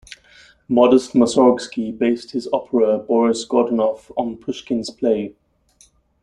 Modest Mussorgsky based his opera "Boris Godunov" on Pushkin's play.